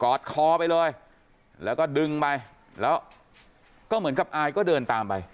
อดคอไปเลยแล้วก็ดึงไปแล้วก็เหมือนกับอายก็เดินตามไป